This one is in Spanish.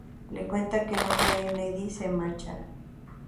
Le cuenta que no cree que Eddie se marchara.